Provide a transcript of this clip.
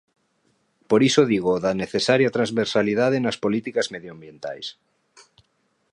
Por iso digo o da necesaria transversalidade nas políticas medioambientais.